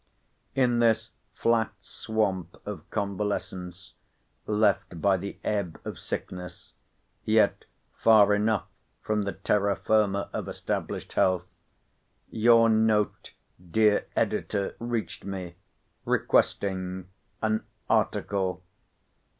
In this flat swamp of convalescence, left by the ebb of sickness, yet far enough from the terra firma of established health, your note, dear Editor, reached me, requesting—an article.